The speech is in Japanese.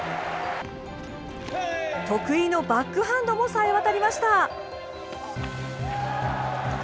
得意のバックハンドもさえ渡りました。